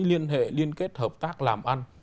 liên hệ liên kết hợp tác làm ăn